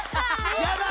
やばい！